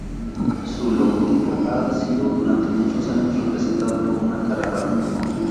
Su logotipo ha sido durante muchos años representado por una caravana.